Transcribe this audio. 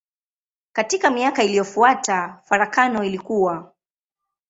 Katika miaka iliyofuata farakano ilikua.